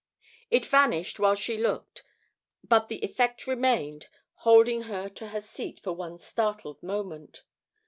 It vanished while she looked, but the effect remained, holding her to her seat for one startled moment.